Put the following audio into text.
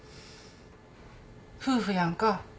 夫婦やんか。